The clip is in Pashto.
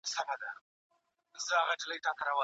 موږ به د وطن د دفاع لپاره هر وخت تیار یو.